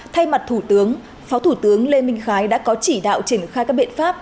thay mặt thủ tướng phó thủ tướng lê minh khái đã có chỉ đạo triển khai các biện pháp